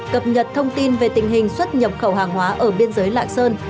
cập nhật thông tin về tình hình xuất nhập khẩu hàng hóa ở biên giới lạng sơn